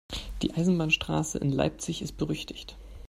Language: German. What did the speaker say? Die Eisenbahnstraße in Leipzig ist berüchtigt.